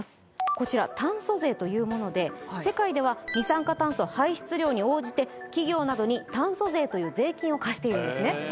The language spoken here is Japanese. こちら炭素税というもので世界では二酸化炭素排出量に応じて企業などに炭素税という税金を課しているんですね